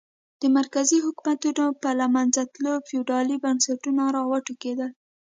د مرکزي حکومتونو په له منځه تلو فیوډالي بنسټونه را وټوکېدل.